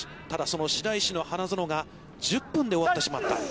ただその白石の花園が１０分で終わってしまった。